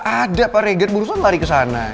ada pak reger urusan lari ke sana